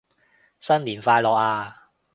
新年快樂啊